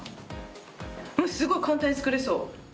すごく簡単に作れそう。